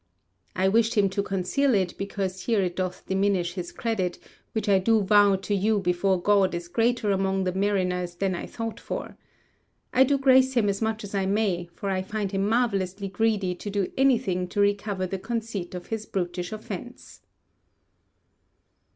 I wished him to conceal it, because here it doth diminish his credit, which I do vow to you before God is greater among the mariners than I thought for. I do grace him as much as I may, for I find him marvellously greedy to do anything to recover the conceit of his brutish offence.'